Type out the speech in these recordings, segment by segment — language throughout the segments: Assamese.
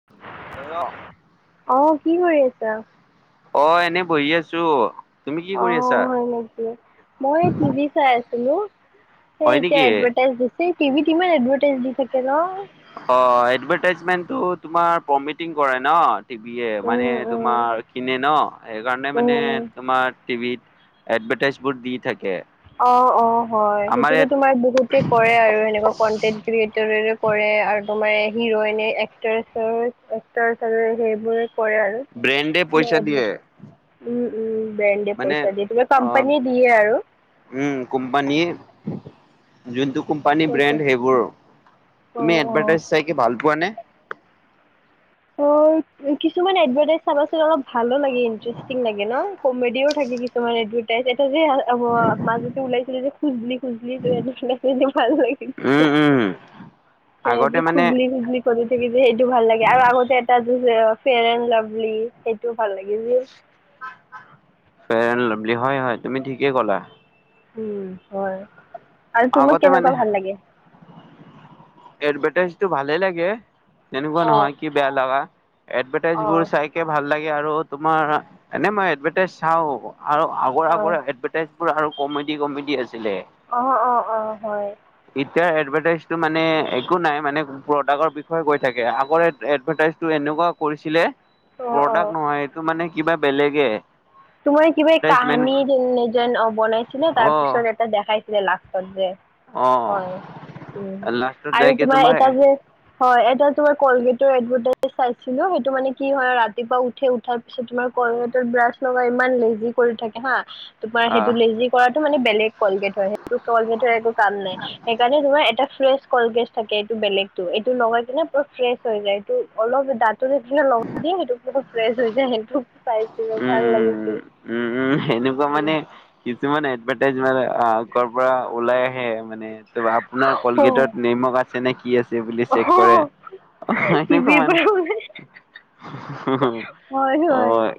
[unintelligible] অ, কি কৰি আছা? অ', এনেই বহি আছো, তুমি কি কৰি আছা? অ অকে, মই টিভি চাই আছিলো এই হয় এতিয়া নেকি এদভাটাইচ দি- ছে, সেই টিভিত ইমান এডভাটাইজ দি থাকে ন। অ', এডভাটাইজমেণ্টটো তোমাৰ প্ৰমিটিং কৰে ন',। টিভিয়ে মানে, উম, উম, তোমাৰ কিনে ন সেইকাৰণে মানে, উম। তোমাৰ টিভিত এডভাটাইজ বোৰ দি থাকে। অ অ হয়, আমাৰ সেইটোতো ইয়াত তোমাৰ বহুতে - কৰে আৰু সেনেকুৱা কনটেন্ট ক্ৰিয়েটৰে কৰে আৰু তোমাৰ হিৰইনে এক- এক্ট্ৰেছ এক্টৰছৰে আৰু সেইবোৰে কৰে আৰু। ব্ৰেণ্ডে তোমাৰ পইছা এডভাৰটাইজ। দিয়ে। উম উম ব্ৰেণ্ডে মানে পইছা দিয়ে, তোমাৰ অ কোম্পানী দিয়ে আৰু। উম কোম্পানীয়ে যোনটো কোম্পানী পইচা। ব্ৰেণ্ড সেইবোৰ। তুমি অ', অ'। এডভাৰটাইজ চাই কি ভাল পোৱা নে? অ কিছুমান এডভাৰটাইজ চাবচোন অলপ ভালো লাগে ইণ্টাৰেষ্টিং লাগে ন? কমেডিও থাকে কিছুমান এডভাৰটাইজ এটা যে মাজতে ওলাইছিলে যে - খুজলি খুজলি কৰে নিচিনাকে ভাল লাগে মোৰ। উম উম সেই আগতে যে মানে খুজলি খুজলি কৰি থাকে যে সেইটো ভাল লাগে আৰু আগত - এটা সেই যে আছে ফেয়াৰ এণ্ড লাভলি সেইটো ভাল লাগিছিল। ফেয়াৰ এণ্ড লাভলী হয় হয় তুমি ঠিকেই ক'লা। উম হয়, আৰু তোমাক আগতে কেনেকুৱা মানে ভাল লাগে? এডভাটাইজটো ভালে লাগে, তেনেকুৱা অঁ নহয় কি বেয়া লগা, এডভাটাইজ অঁ বোৰ চাই কে ভাল লাগে আৰু তোমাৰ এনে মই এডভাটাইজ চাও, আৰু আগৰ অঁ আগৰে এডভা- টাইজবোৰ আৰু কমেডি কমেডি আছিলে। অ', অ', অ', হয়। এতিয়া এডভাৰ্টাইজটো মানে একো নাই মানে প্ৰডাক্টৰ বিষয়ে কৈ থাকে, আগৰ এড এডভাৰ্টাইজটো এনেকুৱা কৰিছিলে অঁ অঁ প্ৰডাক্ট নহয় এইটো মানে কিবা বেলেগে। তোমাৰ কিবা এডভাৰটাইজমেণ্ট কাহিনী যেন অ বনাইছিলে তাৰ অ পিছত এটা দেখাইছিলে লাষ্টত যে অ - হয়, উম লাষ্টত আৰু যাইকে তোমাৰ এটা যে - হয়, এটা তোমাৰ কলগেটৰ এডভাৰ্টাইজ চাইছিলো সেইটো মানে কি হয় ৰাতিপুৱা উঠে উঠাৰ তোমাৰ কলগেটত ব্ৰাছ লগাই ইমান লেজি কৰি থাকে হা তোমাৰ সেইটো আহ লেজি - কৰাটো মানে বেলেগ কলগেট হয়, সেইটো কলগেটৰ একো কাম নাই, সেইকাৰণে তোমাৰ এটা ফ্ৰেছ কলগেট থাকে এইটো বেলেগটো এইটো লগাই কিনে পোৰা ফ্ৰেছ হৈ যায় এইটো অলপ দাঁত- টো নিচিনা লগাই দিয়ে সেইটোত বহুত ফ্ৰেছ হৈ যায়, সেইটো চাইছো। উম উম উম। উম উম এনেকুৱা মানে কিছুমান এডভাৰ্টাইজ মানে অ কৰ পৰা ওলাই হে মানে ত আপোনাৰ উম। কলগেটত নিমখ আ- ছে নে কি আছে বুলি অ চেক অ কৰে অ এনেকুৱা টিভিৰ মানে পৰা ওলাই। হয়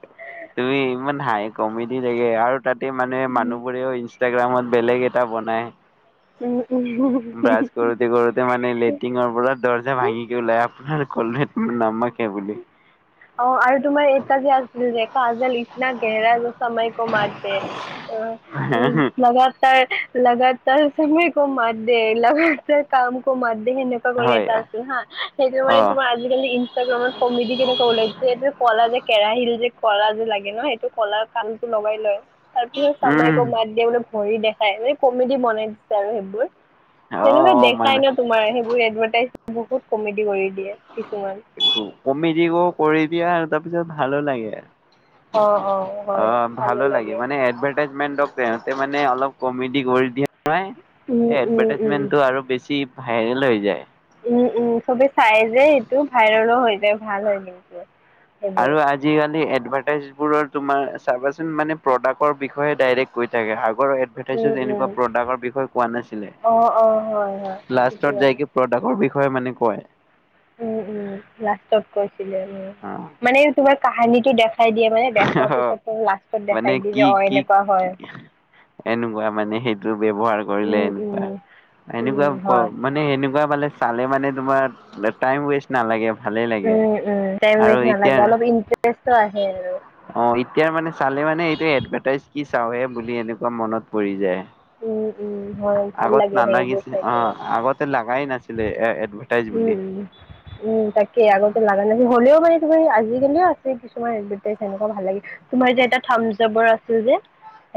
তুমি ইমান হাঁহি কমেডি লাগে আৰু তাতে মানে উম মানুহবোৰেও ইনষ্টাগ্ৰামত বেলেগ এটা বনায়। ওম ওম। সেই কৰোতে মানে লেট্ৰিনৰ পৰা দৰ্জা ভাঙিকে ওলাই আপোনাৰ কলগেট নমখ হে বুলি। অ আৰু তোমাৰ এটা যে আছিল যে কাজল ইটনা গেহৰা যে সময় ক মাৰতে উম লগাত লগাতাৰ সময় কো মাৰদে লগাতাৰ কাম কো মাৰ সেনেকুৱা কৰি হয়, এটা আছিল হা সেইটো মানে অ', তোমাৰ আজিকালি ইনষ্টাগ্ৰামত কমেডি কেনেকুৱা ওলাই যে, এইটো কলা যে কেৰাহিটো যে কলা যে লাগে ন সেইটো কলাটো লগাই লয়। তাৰপিছত চময় উম, ক মাৰদে বুলি ভৰি দেখাই মানে কমেডি বনাই দিছে আৰু সেইবোৰ। অ', তেনেকুৱা অ', দেখাই মানে ন তোমাৰ সেইবোৰ এডভাৰটাইজ বহুত কমেডি কৰি দিয়ে কিছুমান। কমেডি কৰি দিয়া আৰু তাৰপিছত ভালো অ লাগে। অ হয় অঁ ভালে ভালো লাগে মানে এডভা ৰটাইজমেণ্ট মানে অলপ তেহেঁতে কমেডি কৰি দিয়ে। উম এই উম উম এডভাৰটাইজমেণ্টটো আৰু বেছি ভাইৰেল হৈ যায়। উম উম, চবে চাই যে এইটো ভাইৰেলো হৈ যায় ভাল হয় কিন্তু। সেইবোৰ আৰু আজি আজিকালি এডভাৰ্টাইজবোৰৰ তোমাৰ চাবাচোন মানে প্ৰডাক্টৰ বিষয়ে ডাইৰেক্ট কৈ থাকে। আগত এড উম ভাৰটাইজমেণ্টত উম এনেকুৱা প্ৰডাক্টৰ বিষয়ে কোৱা নাছিলে। অ অ হয় হয় ঠিকে লাষ্টত ক'লা যাইকে প্ৰডাক্টৰ বিষয়ে মানে কয়। উম উম, লাষ্টত কৈছিলে উম। অ' মানে তোমাৰ কাহানীটো দেখাই দিয়ে মানে দেখাৰ পিছত লাষ্টত মানে দেখাই দিয়ে কি যে অ কি এনেকুৱা হয়। এনেকুৱা মানে সেইটো ব্যৱহাৰ কৰিলে উম উম এনেকুৱা উম এনেকুৱা ক হয় মানে এনেকুৱা মানে চালে মানে তোমাৰ টাইম ৱেষ্ট নালাগে ভালেই লাগে। উম উম টাইম আৰু ৱেষ্ট এতিয়া নালাগে, অলপ ইটাৰেষ্ট আহে আৰু। অ এতিয়াৰ মানে চালে মানে এইটো এডভাৰটাইজ কি চাওহে বুলি এনেকুৱা মনত পৰি যায়। উম, উম, হয় ভাল আগত লাগে সেইবোৰ নালাগিছিল চাই কিনে অঁহ আগতে লগাই নাছিলে এ এ উম। উম তাকে আগতে লগা নাছিল, হ'লেও মানে তোমাৰ আজিকালিও আছে কিছুমান এডভাৰটাইজ সেনেকুৱা ভাল লাগে। তোমাৰ যে এটা থাম্বচআপৰ আছে যে।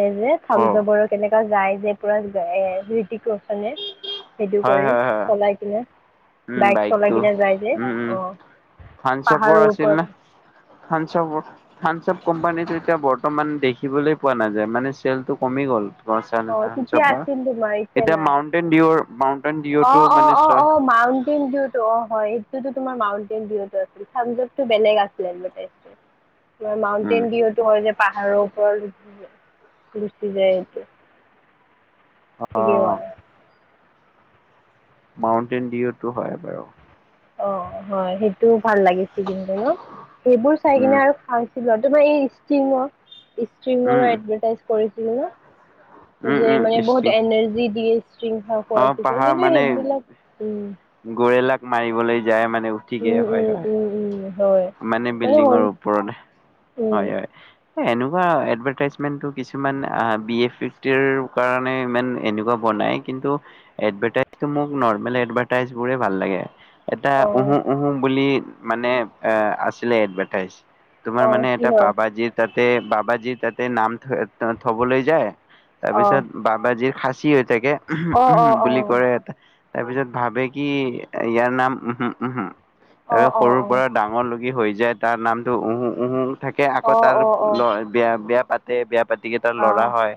এই যে অ থাম্বচআপৰ কেনেকুৱা যায় যে পুৰা এ ঋতিক ৰোচনে। সেইটো হয় কৰি হয় হয় চলাই কিনে। উম বাইক চলাই বাইকটো কিনে যাই যে, উম উম অঁ। পাহাৰৰ ওপৰত। থাম্বচআপৰ থাম্বচআপ কোম্পানীটো এতিয়া বৰ্তমান দেখিবলৈ পোৱা নাযায়, মানে চেলটো কমি গ'ল। [unintelligible] অ তেতিয়া আছিল তোমাৰ এতিয়া নাই মাউণ্টেইন ভিউৰ মাউণ্টেইন ভিউটো মানে চোৱা কিন্তুটো অ হয় এই তোমাৰ মাউণ্টেইন দিউ আছিল [unintelligible] বেলেগ আছিলে। [inaudible] উম মাউনটেইন দিউটো হয় যে পাহাৰৰ ওপৰত গুচি যায় এইটো। অ ঠিকে কলা। মাউণ্টেইন ডিউতো হয় বাৰু। অ হয় সেইটো ভাল লাগিছে কিন্তু ন। সেইবোৰ চাই উম কিনে আৰু খা তোমাৰ এই ষ্ট্ৰিং স্ত্ৰিঙৰো উম এডভাৰটাইজ কৰিছিলো ন। উম যে উম মানে বহুত ইষ্টিং এনাৰ্জি দিয়ে ষ্ট্ৰিং অ খোৱাৰ পিছত পাহাৰ কিন্তু মানে সেইবিলাক উম গৰেলাক মাৰিবলৈ যায় মানে উঠি গে উম হয় উম হয়। উম উম হয় মানে বিল্ডিঙৰ ওপৰত, উম হয় হয়। এ এনেকুৱা এডভাৰ্টাইজমেণ্টটো কিছুমান বিয়েৰ ফেক্টৰী কাৰণে ইমান এনেকুৱা বনাই। কিন্তু এডভাৰটাইজটো মোক নৰ্মেল এডভাৰটাইজ বোৰে ভাল লাগে। এটা অ উহো উহো বুলি মানে এ আছিলে এডভাৰটাইজ। তোমাৰ অ মানে কি এটা হয় বাবাজীৰ তাতে বাবাজীৰ তাতে নাম থ থবলৈ যায় তাৰ অ পিছত বাবাজীৰ খাচী হৈ থাকে ঊম অ অ ঊম অ অ বুলি কৰে এটা তাৰপিছত ভাবে কি ইয়াৰ নাম উহুম উহুম তাৰপিচত অ অ অ সৰুৰ পৰা ডাঙৰ লৈকে হৈ যায় তাৰ নামটো উহু উহু থাকে আকৌ তাৰ অ অ অ অ লৰ বিয়া বিয়া পাত পাতে বিয়া পাতিকে এটা লৰা হয়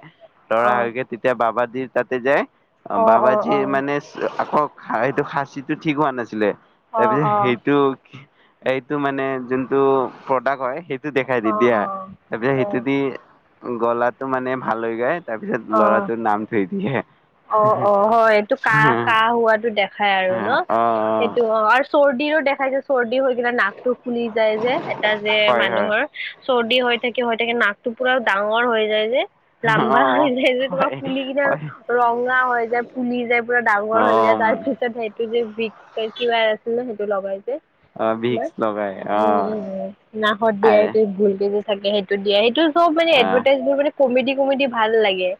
লৰা হয়কে তেতিয়া বাবাজীৰ তাতে যায় অ বাবাজি মানে আকৌ সেইটো খাচীটো ঠিক হোৱা নাছিলে অঁ তাৰপিছত অঁ সেইটো এইটো মানে যোনটো প্ৰডাক্ট হয় সেই সেটো দেখাই দি অঁ দিয়া অঁ তাৰ পিছত সেইটো অঁ দি গলাটো মানে ভাল হৈ যায় তাৰপিছত ল'ৰাটোৰ নাম থৈ দিয়ে অ অ হয় এইটো কাহ কাহ হোৱাটো দেখাই আৰু ন অ অ সেইটো আৱাজ চৰ্দিৰো দেখাই যে চৰ্দি হৈ কিনে নাকটো ফুলি যায় যে এটা যে হয় হয় মানুহৰ চৰ্দি হৈ থাকে হৈ থাকে নাকটো পুৰা ডাঙৰ হৈ যায় যে অ লাম্বা হৈ অ যায় যে তোমাৰ ফুলি কিনে ৰঙা হৈ যায় ফুলি যায় পুৰা ডাঙৰ হৈ যায় তাৰ অ', পিছত তাৰ পিছত সেইটো দি বিষ‌ কিবা আছিল ন সেইটো লগাই যে অ', তোমাৰ ভিক্স লগাই উম অ', উম নাহত দিয়ে সেইটো ভুলকে থাকে সেইটো দিয়ে সেইটো চব মানে আহ, এডভাৰটাইজ মানে কমেডি কমেডি ভাল লাগে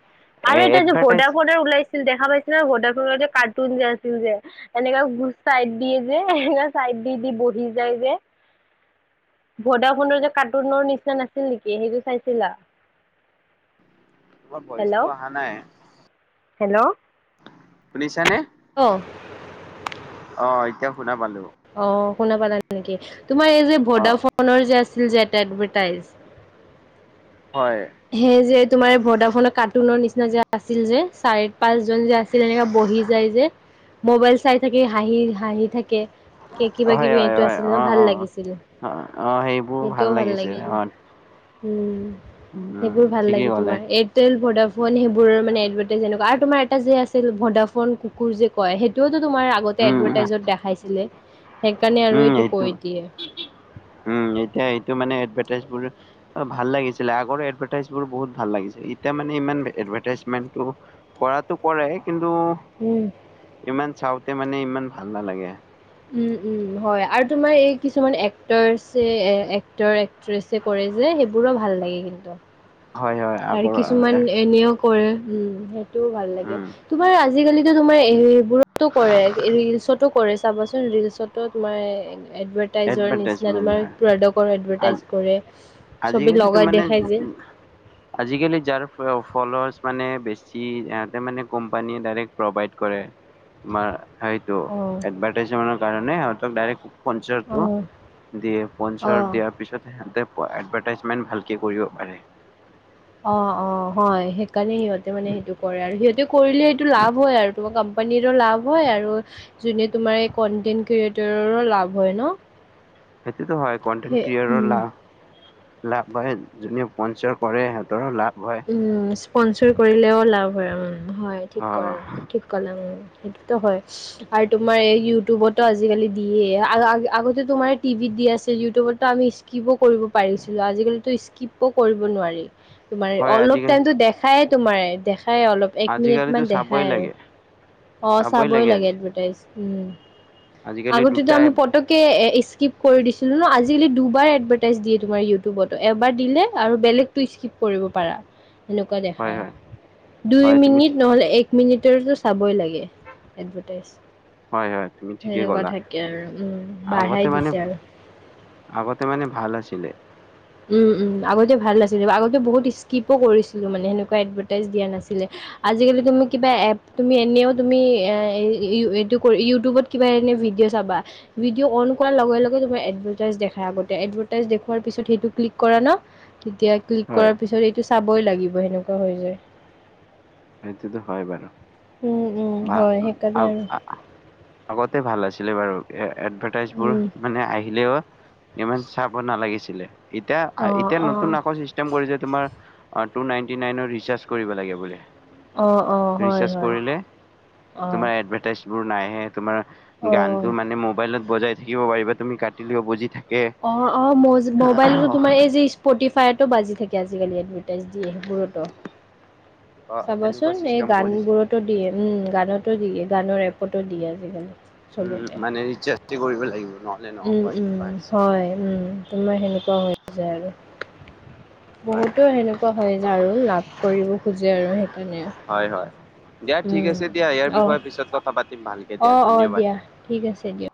এ আৰু এটা যে এডভাৰটাইজ ভৰ্দা ফোনৰ ওলাইছিল দেখা পাইছিল ন ভৰ্দা ফোনৰ যে কাৰ্টুন যে আছিল যে এনেকা চাইড দিয়ে যে এনেকা চাইড দি দি বহি যায় যে ভদা ফোনৰ যে কাৰ্টুনৰ নিচিনা নাছিল নেকি সেইটো চাইছিলা তোমাৰ হেল্ল' ভয়েচটো অহা নাই। হেল্ল শুনিছানে? অ অ এতিয়া শুনা পালো। অ শুনা পালা নেকি তোমাৰ এই যে ভদা অ', ফোনৰ যে আছিল যে এটা এডভাৰটাইজ হয়। সেই যে তোমাৰ ভদা ফোনৰ কাৰ্টুনৰ নিচিনা যে আছিল যে চাৰি পাঁচজন যে আছিল। তেনেকা বহি যায় যে মোবাইল চাই থাকি হাঁহি হাঁহি থাকে। কে কিবা হয়, কিবি হয়, এইটো হয়, আছিল ন অ', ভাল অ', লাগিছিলে অ', অ সেইবোৰ ভাল লাগিছে হয় উম সেইবোৰ ভাল লাগে ঠিকেই ক'লে তোমাৰ এই এয়াটেল ভদাফোন সেইবোৰৰ মানে এডভাৰ্টাইজ এনেকুৱা আৰু তোমাৰ এটা যে আছিল ভদাফোন কুকুৰ যে কয় সেইটোওতো তোমাৰ আগতে উম, উম, এডভাৰ্টাইজত দেখাইছিলে সেইকাৰণে আৰু এইটো কৈ দিয়ে। উম এতিয়া এইটো মানে এডভাৰটাইজ বোৰ ভাল লাগিছিলে আগৰ এডভাৰটাইজ বোৰ বহুত ভাল লাগিছিল এতিয়া মানে ইমান এডভাৰটাইজমেন্টটো কৰাটো কৰে কিন্তু উম ইমান চাওঁতে মানে ইমান ভাল নালাগে। উম উম হয় আৰু তোমাৰ এই কিছুমান এক্টৰছে এক্টৰ এক্টছে কৰে যে সেইবোৰো ভাল লাগে কিন্তু হয় হয় আকৌ আৰু কিছুমান এনেও কৰে উম সেইটোও ভাল লাগে। উম তোমাৰ আজিকালিতো তোমাৰ এইবোৰতো কৰে ৰিলচতো কৰে চাবাচোন ৰিলচতো তোমাৰ এডভাৰটাইজৰ নিচিনা এডভাৰটাইজমেন্ট তোমাৰ হয়। প্ৰডাক্টৰ আজ এডভাৰটাইজ কৰে। ছবি আজিকালিতো লগাই মানে দেখাই যে আজিকালি যাৰ ফলৱাছ মানে বেছি ইয়াতে মানে কোম্পানীয়ে প্ৰভাইড কৰে। তোমাৰ হেইটো অঁ এভাৰটাইজেটৰ কাৰণে ইহঁতক দাইৰেক অঁ পানচাৰটো দিয়ে পনচাৰ অঁ দিয়াৰ পিছত সিহতে প এডভাৰ্টাইজমেণ্ট ভালকে কৰিব পাৰে। অঁ, অঁ, হয়। সেইকাৰণে সিহঁতে মানে সেইটো কৰে আৰু সিহঁতে কৰিলে সেইটো লাভ হয় আৰু টো কোম্পানীৰো লাভ হয় আৰু যোনে তোমাৰ এই কন্টেন্ট ক্ৰিয়েটৰো লাভ হয় ন? সেইতোত' হয়। কনটেণ্ট সেই ক্ৰিয়েটৰ উম লাভ লাভ হয়, যোনে পঞ্চাৰ কৰে সিহঁতৰো লাভ হয়। উম, স্পনচৰ কৰিলেও লাভ হয়, হয় ঠিক অ কলা ঠিক কলা ওম। সেইটো ত' হয়। আৰু তোমাৰ এই ইউটিউবত' আজিকালি দিয়ে আৰু আগ আগতে তোমাৰ টিভিত দি আছিল ইউটিউবতো আমি স্কীপো কৰিব পাৰিছিলোঁ আজিকালিতো স্কিপো কৰিব নোৱাৰি। তোমাৰ হয় অলপ আজিকালি টাইমতো দেখায়ে তোমাৰে দেখায় অলপ এক মিনিটমান আজিকালিতো দেখাই চাবই আৰু লাগে অঁ চাবই লাগে এডভাৰটাইজ। উম, আজিকালি আগতে ত' যদি দুটাই আমি পটক কে স্কিপ কৰি দিছিলো ন' আজিকালি দুবাৰ এডভাৰ্টাইজ দিয়ে তোমাৰ ইউটিউবতো এবাৰ দিলে আৰু বেলেগ টো স্কিপ কৰিব পাৰা, সেনেকুৱা হয় হয় দেখাই দুই হয় তুমি মিনিট নহ'লে এক মিনিটৰতো চাবই লাগে এডভাৰটাইজ হয় হয় তুমি ঠিকেই সেনেকুৱা ক'লা থাকে আৰু উম আগতে বাঢ়াই মানে দিছে আৰু আগতে মানে ভাল আছিলে। উম উম আগতে ভাল আছিলে, আগতে বহুত স্কিপো কৰিছিলো মানে সেনেকুৱা এডভাৰ্টাইজ দিয়া নাছিলে। আজিকালি তুমি কিবা এপ তুমি এনেও তুমি এ এই ই ই এইটো কৰি ইউ ইউটিউবত কিবা এনেই ভিডিঅ' চাবা ভিডিঅ' অন কৰাৰ লগে লগে তোমাৰ এডভাৰটাইজ দেখাই আগতে, এডভাৰটাইজ দেখুওৱাৰ পিছত সেইটো ক্লিক কৰা ন' তেতিয়া ক্লিক হয় কৰাৰ পিছত এইটো চাবই লাগিব সেনেকুৱা হৈ যায়। সেইটো ত' হয় বাৰু উম, উম, ভা হয় উম সেইকাৰণে আৰু আ আগতে ভাল আছিলে বাৰু এ এডভাৰটাইজ বোৰ উম, মানে আহিলেও ইমান চাব নালাগিছিলে তেতিয়া অ', এতিয়া অ', নতুন আকৌ চি চটেম কৰিছে তোমাৰ টু নাইন্তি নাইনৰ ৰিচাৰ্ছ কৰিব লাগে বোলে। অ ' অ' হয়, ৰিচাৰ্জ হয়, কৰিলে অ', তোমাৰ এডভা টাইছ বোৰ নাহে এ তোমাৰ অ'। গানটো মানে মোবাইলত বজাই থাকিব পাৰিবা তুমি কটিলেও বুজি থা অঁ অঁ ম যমোবাইলতো তোমাৰ এই যে স্পটিফায়তো বাজি থাকে আজিকালি এডভাৰ্টাইজ দিয়ে সেবোৰটো অ এনেকুৱা চাবাচোন এই চিষ্টেম গান কৰি দিছে বোৰতো দিয়ে উম গানতো দিয়ে গানৰ এপতো দিয়ে আজিকালি উম চবতে মানে নিচ্ছ ইহঁতি কৰিব লাগিব নৰ উম, উম, হয়। উম, তোমাৰ সেনেকুৱা হৈ হৈ যায় আৰু হয় বহুতো সেনেকুৱা হৈ যায় আৰু লাভ কৰিব খোজে আৰু সেইকাৰণে হয়। হয়। দিয়া ঠিক উম। আছে দিয়া। ইয়াৰ অ', বিষয়ে পিছত কথা পাতিম ভালকে দিয়া অ', অ', ধন্যবাদ দিয়া ঠিক আছে দিয়া-